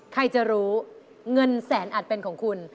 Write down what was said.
ใครจะรู้เงินแสนอาจเป็นของคุณ